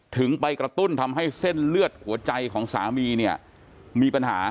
ถึงไปกระตุ้นทำให้เส้นเลือดหัวใจของสามีเนี่ยมีปัญหา